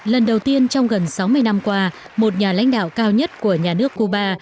lần đầu tiên trong gần sáu mươi năm qua một nhà lãnh đạo cao nhất của nhà nước cuba